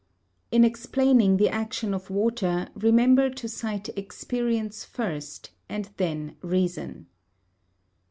In explaining the action of water remember to cite experience first and then reason.